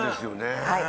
はい。